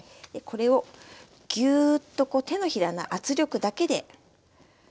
これをギュウっと手のひらの圧力だけで。